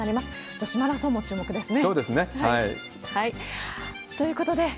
女子マラソンも注目ですね。